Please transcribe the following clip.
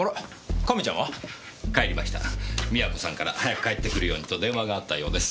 美和子さんから早く帰ってくるようにと電話があったようです。